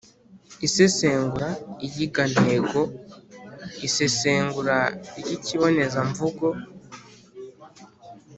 Isesengura iyigantego, isesengura ry’ikibonezamvugo